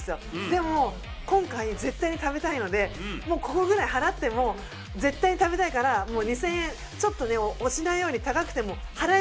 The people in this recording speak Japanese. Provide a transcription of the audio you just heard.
でも今回絶対に食べたいのでもうこのぐらい払っても絶対に食べたいからもう２０００円ちょっとねお品より高くても払います。